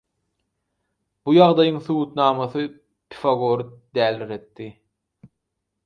Bu ýagdaýyň subutnamasy Pifagory däliretdi.